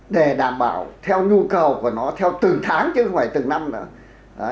để đảm bảo theo nhu cầu của nó theo từng tháng chứ không phải từng năm nữa